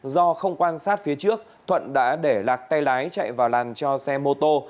do không quan sát phía trước thuận đã để lạc tay lái chạy vào làn cho xe mô tô